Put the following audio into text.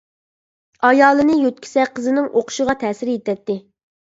ئايالىنى يۆتكىسە قىزىنىڭ ئوقۇشىغا تەسىر يېتەتتى.